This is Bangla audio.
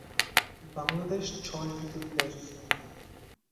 বাংলাদেশ ছয় ঋতুর দেশ।